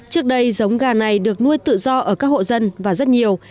trước đây giống gà này được nuôi tự do ở các hộ dân và rất nhiều